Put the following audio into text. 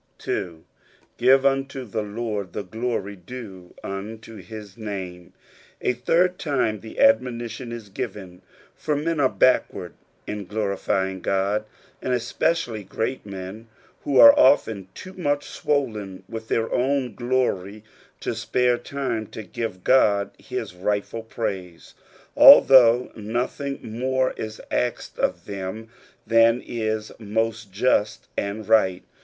3. "ffioa unto the Lord the glory due unto hit name." A third time the ad monition is given, for men are backward in glorifying God, and especially gr^ men, who are often too much swollen with their own glory to spare time to give God his rightful praise, although nothing more is asked of them than is moat just and right.